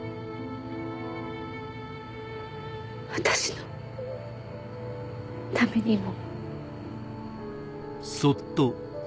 私のためにも。